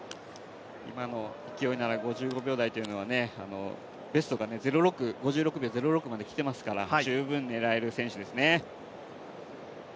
今の勢いなら５５秒台というのは、ベストは５６秒０６まで来ていますので十分狙える選手ですね。